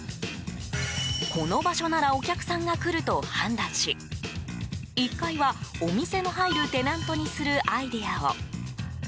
この場所ならお客さんが来ると判断し１階はお店の入るテナントにするアイデアを。